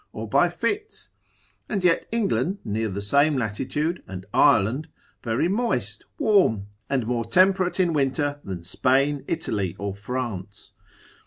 or by fits; and yet England near the same latitude, and Ireland, very moist, warm, and more temperate in winter than Spain, Italy, or France.